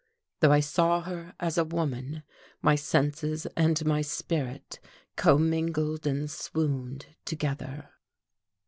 Though I saw her as a woman, my senses and my spirit commingled and swooned together.